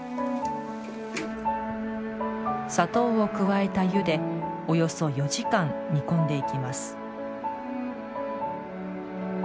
砂糖を加えた湯でおよそ４時間煮込んでいきます。